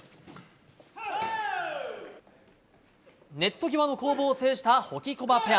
ネット際の攻防を制したホキコバペア。